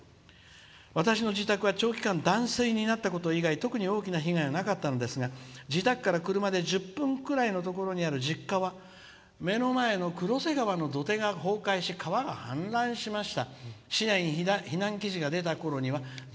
私の自宅は長期間断水になったこと以外は特に大きな被害はなかったんですが自宅から車で１０分ぐらいのとこにある実家は目の前の黒瀬川の土手が崩壊し川が氾濫しました。